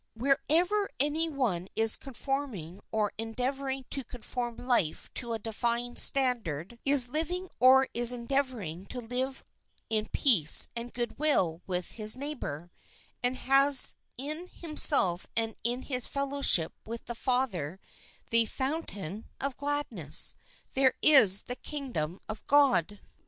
Wherever any one is conforming or en deavouring to conform his life to a divine standard, is living or is endeavouring to live in peace and goodwill with his neighbour, and has in himself and in his fellowship with the Father the foun tain of gladness, there is the Kingdom of God.